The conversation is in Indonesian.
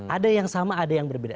ada yang sama ada yang berbeda